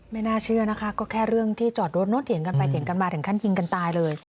ไม่น่าเชื่อนะคะก็แค่เรื่องที่จอดรถเนอะเถียงกันไปเถียงกันมาถึงขั้นยิงกันตายเลย